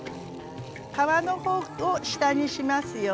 皮の方を下にしますよ。